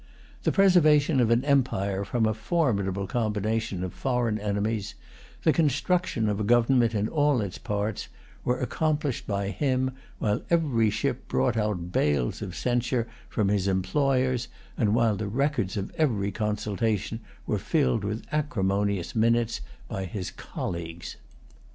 The preservation of an empire from a formidable combination of foreign enemies, the construction of a government in all its parts, were accomplished by him, while every ship brought out bales of censure from his employers, and while the records of every consultation were filled with acrimonious minutes by his colleagues.